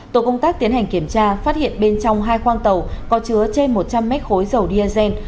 tổ công tác tiến hành kiểm tra phát hiện bên trong hai khoang tàu có chứa trên một trăm linh mét khối dầu diesel